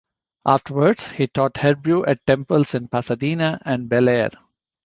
Afterward, he taught Hebrew at temples in Pasadena and Bel Air.